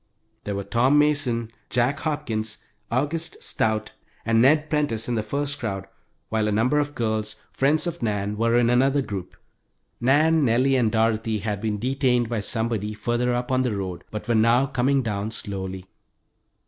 There were Tom Mason, Jack Hopkins, August Stout, and Ned Prentice in the first crowd, while a number of girls, friends of Nan's, were in another group. Nan, Nellie, and Dorothy had been detained by somebody further up on the road, but were now coming down, slowly.